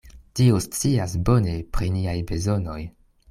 Dio scias bone pri niaj bezonoj.